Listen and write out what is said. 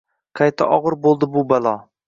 Qayta og’ir bo’ldi bu balo!